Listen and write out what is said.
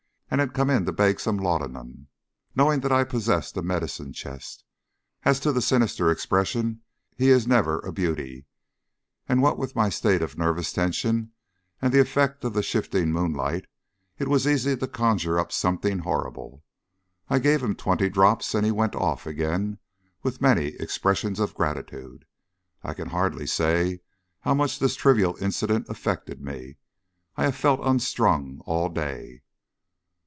and had come in to beg some laudanum, knowing that I possessed a medicine chest. As to a sinister expression he is never a beauty, and what with my state of nervous tension and the effect of the shifting moonlight it was easy to conjure up something horrible. I gave him twenty drops, and he went off again with many expressions of gratitude. I can hardly say how much this trivial incident affected me. I have felt unstrung all day.